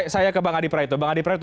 saya ke bang adi praito